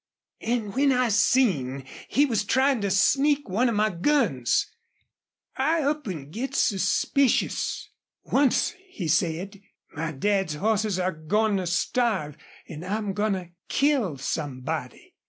An' when I seen he was tryin' to sneak one of my guns, I up an' gets suspicious. Once he said, 'My dad's hosses are goin' to starve, an' I'm goin' to kill somebody!'